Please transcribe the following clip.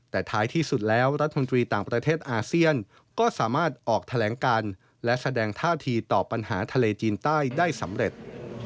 แต่ท้ายที่สุดแล้วรัฐมนตรีต่างประเทศอาเซียนก็สามารถออกแถลงการและแสดงท่าทีต่อปัญหาทะเลจีนใต้ได้สำเร็จ